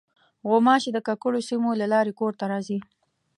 غوماشې د ککړو سیمو له لارې کور ته راځي.